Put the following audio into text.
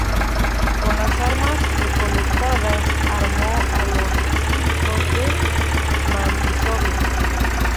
Con las armas recolectadas armó a los Cívicos de Mandisoví.